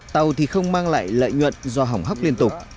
tàu thì không mang lại lợi nhuận do hỏng hóc liên tục